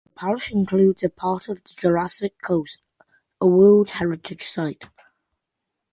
The parish includes part of the Jurassic Coast, a World Heritage Site.